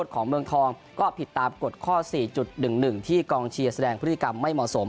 ของเมืองทองก็ผิดตามกฎข้อ๔๑๑ที่กองเชียร์แสดงพฤติกรรมไม่เหมาะสม